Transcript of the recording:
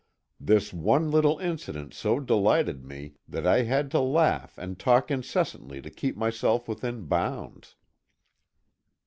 This one little incident so delighted me that I had to laugh and talk incessantly to keep myself within bounds.